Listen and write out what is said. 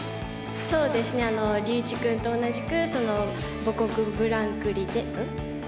そうですね龍一くんと同じく母国ブランクリでん？